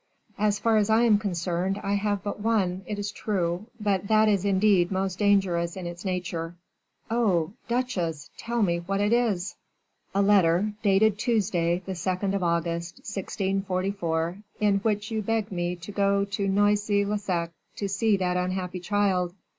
"As far as I am concerned, I have but one, it is true, but that is indeed most dangerous in its nature." "Oh! duchesse, tell me what it is." "A letter, dated Tuesday, the 2d of August, 1644, in which you beg me to go to Noisy le Sec, to see that unhappy child.